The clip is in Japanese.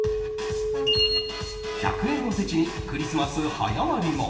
１００円おせちにクリスマス早割りも。